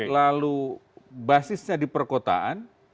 lalu basisnya di perkotaan